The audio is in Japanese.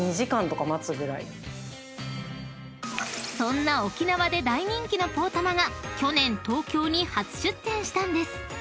［そんな沖縄で大人気の「ポーたま」が去年東京に初出店したんです］